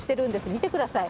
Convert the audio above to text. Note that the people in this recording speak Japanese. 見てください。